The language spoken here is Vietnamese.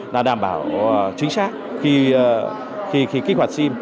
là đảm bảo chính xác khi kích hoạt sim